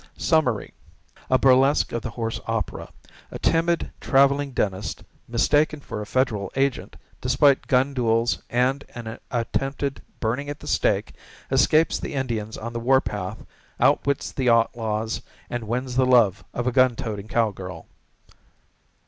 Summary: A burlesque of the horse opera. A timid, traveling dentist, mistaken for a federal agent, despite gun duels and an attempted burning at the stake, escapes the Indians on the warpath, outwits the outlaws, and wins the love of a gun toting cowgirl.